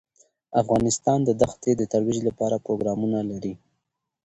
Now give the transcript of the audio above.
افغانستان د دښتې د ترویج لپاره پروګرامونه لري.